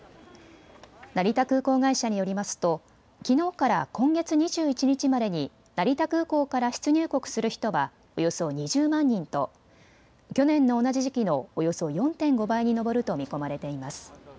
成田空港会社によりますときのうから今月２１日までに成田空港から出入国する人はおよそ２０万人と去年の同じ時期のおよそ４．５倍に上ると見込まれています。